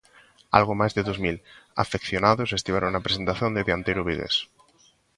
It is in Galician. Algo máis de dous mil afeccionados estiveron na presentación do dianteiro vigués.